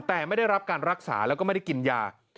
แต่ไม่ได้รับการรักษาแล้วก็ไม่ได้กินยา